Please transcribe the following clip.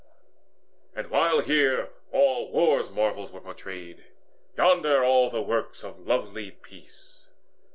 And while here all war's marvels were portrayed, Yonder were all the works of lovely peace.